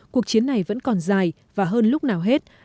cuộc chiến này vẫn còn dài và hơn lúc nào hết